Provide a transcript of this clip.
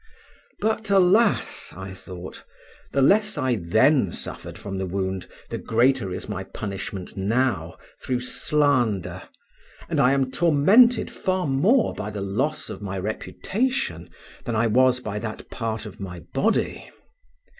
But alas, I thought, the less I then suffered from the wound, the greater is my punishment now through slander, and I am tormented far more by the loss of my reputation than I was by that of part of my body.